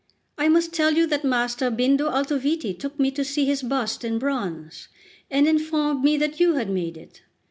I must tell you that Master Bindo Altoviti took me to see his bust in bronze, and informed me that you had made it.